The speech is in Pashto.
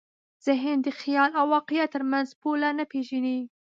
ذهن د خیال او واقعیت تر منځ پوله نه پېژني.